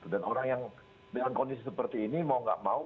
dan orang yang dalam kondisi seperti ini mau tidak mau